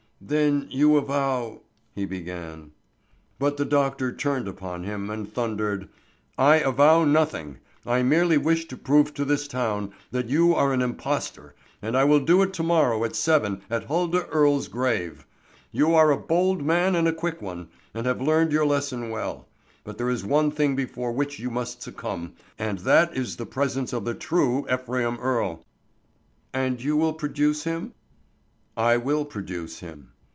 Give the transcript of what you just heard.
"Then you avow—" he began. But the doctor turned upon him and thundered, "I avow nothing. I merely wish to prove to this town that you are an impostor, and I will do it to morrow at seven at Huldah Earle's grave. You are a bold man and a quick one, and have learned your lesson well. But there is one thing before which you must succumb and that is the presence of the true Ephraim Earle." "And you will produce him?" "I will produce him."